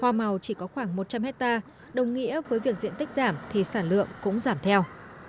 hoa màu chỉ có khoảng một trăm linh hectare đồng nghĩa với việc diện tích giảm thì sản lượng cũng giảm theo